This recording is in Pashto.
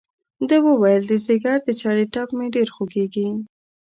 ده وویل د ځګر د چړې ټپ مې ډېر خوږېږي.